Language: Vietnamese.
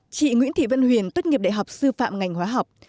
chị nguyễn thị vân huyền tốt nghiệp đại học sư phạm ngành hóa học